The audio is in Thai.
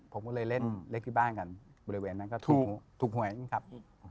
ผมก็เลยเล่นเลขที่บ้านกันบริเวณนั้นก็ถูกหวยครับ